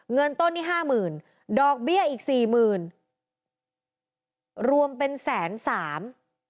เงินต้นนี้๕๐๐๐๐บาทดอกเบี้ยอีก๔๐๐๐๐บาทรวมเป็น๑๐๓๐๐๐บาท